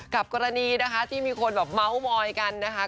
กับกรณีนะคะที่มีคนแบบเมาส์มอยกันนะคะ